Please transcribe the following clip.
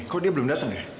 kok dia belum datang ya